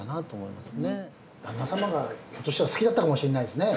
旦那様がひょっとしたら好きだったかもしんないですね